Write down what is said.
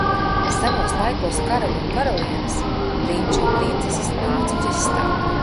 Senos laikos karaļi un karalienes, prinči un princeses nāca uz izstādi.